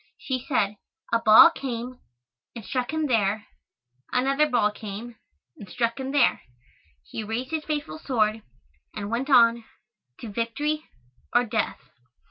She said, "A ball came and struck him there another ball came and struck him there he raised his faithful sword and went on to victory or death."